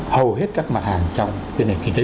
hầu hết các mặt hàng trong cái nền kinh tế